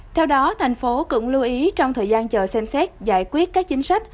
theo đó thành phố cũng lưu ý trong thời gian chờ xem xét giải quyết các chính sách